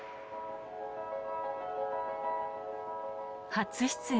初出演